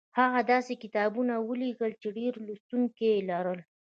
هغه داسې کتابونه ولیکل چې ډېر لوستونکي یې لرل